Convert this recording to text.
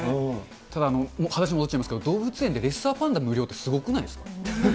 ただ、話戻っちゃいますけど、動物園でレッサーパンダ無料ってすごくないですか。